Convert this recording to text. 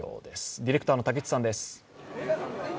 ディレクターの武智さんです。